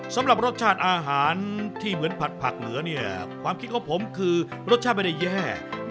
สำหรับรสชาติอาหารที่เหมือนผัดผักเหนือเนี่ยความคิดของผมคือรสชาติไม่ได้แย่